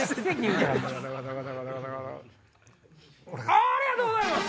ありがとうございます！